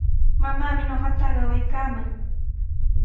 Mamaami ñuqata qayaykaaman.